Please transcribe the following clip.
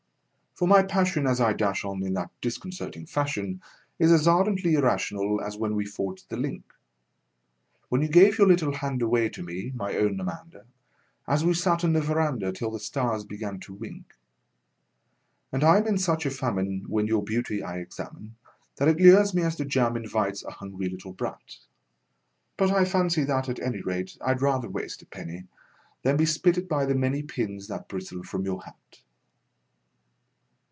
For my passion as I dash on in that disconcerting fashion Is as ardently irrational as when we forged the link When you gave your little hand away to me, my own Amanda An we sat 'n the veranda till the stars began to wink. And I am in such a famine when your beauty I examine That it lures me as the jam invites a hungry little brat; But I fancy that, at any rate, I'd rather waste a penny Than be spitted by the many pins that bristle from your hat.